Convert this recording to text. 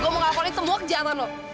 gue mau ngelaporin semua ke jalan lo